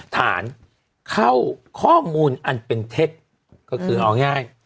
ฐานเข้าข้อมูลอันเป็นเท็จก็คือเอาง่าย